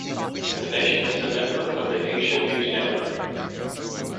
"The Nation" is a member of the Asia News Network.